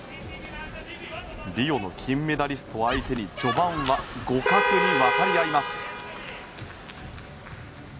リオの金メダリスト相手に序盤は互角に渡り合います。